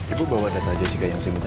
ibu bawa data jessica yang saya minta